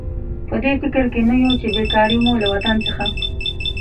په دې فکر کې نه یو چې بېکاري مو له وطن څخه.